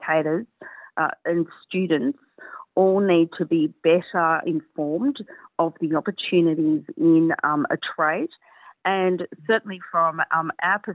kita harus mengakui bahwa ibu bapa pelajar dan pelajar